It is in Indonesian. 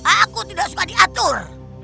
aku tidak suka diatur